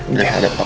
udah ada pak